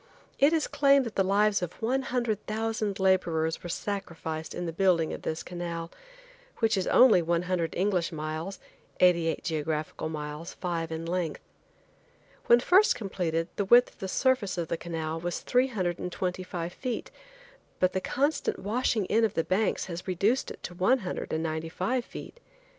It is claimed that the lives of 100,000 laborers were sacrificed in the building of this canal, which is only 100 English miles, 88 geographical miles, 5 in length. When first completed the width of the surface of the canal was three hundred and twenty five feet, but the constant washing in of the banks has reduced it to one hundred and ninety five feet.